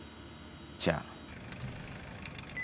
じゃあ。